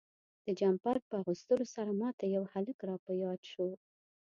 د جمپر په اغوستلو سره ما ته یو هلک را په یاد شو.